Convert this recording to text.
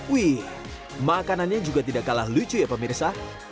wih makanannya juga tidak kalah lucu ya pemirsa